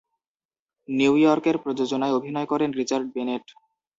New ইয়র্কের প্রযোজনায় অভিনয় করেন রিচার্ড বেনেট।